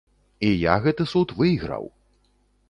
І я гэты суд выйграў.